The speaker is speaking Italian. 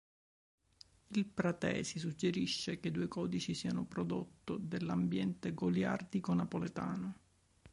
Il Pratesi suggerisce che i due codici siano prodotto dell'ambiente goliardico Napoletano.